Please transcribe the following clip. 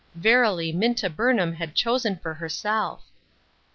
Verily, Minta Burnham had chosen for herself